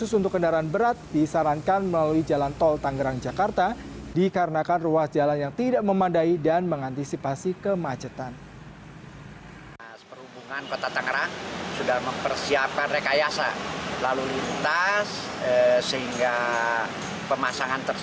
untuk kendaraan kecil dari arah serang menuju jakarta menuju jakarta dikarenakan ruas jalan yang tidak memandai dan mengantisipasi kepentingan pemasangan